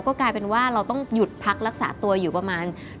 ก็กลายเป็นว่าเราต้องหยุดพักรักษาตัวอยู่ประมาณ